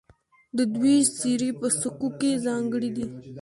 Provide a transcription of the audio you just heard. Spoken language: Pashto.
د دوی څیرې په سکو کې ځانګړې دي